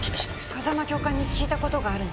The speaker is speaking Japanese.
風間教官に聞いたことがあるの。